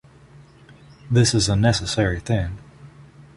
This is a necessary thing.